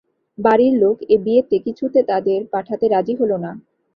বাড়ির লোক এ-বিয়েতে কিছুতে তাদের পাঠাতে রাজি হল না।